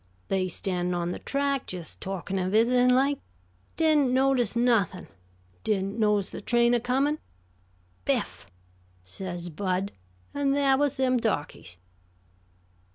They standin' on the track, jes' talkin' and visitin' like. Didn't notice nuthin'. Didn't notice the train a comin'. 'Biff!' says Bud; an' thah was them darkies."